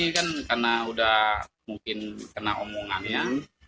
karena sudah mungkin kena omongannya